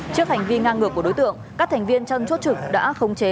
trước hành vi ngang ngược của đối tượng các thành viên trong chốt trực đã khống chế